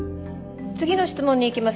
次の質問にいきます。